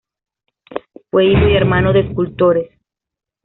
Fue hijo y hermano de escultores.